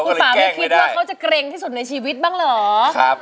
คุณป่าไม่คิดว่าเขาจะเกร็งที่สุดในชีวิตบ้างเหรอ